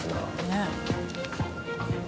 ねえ。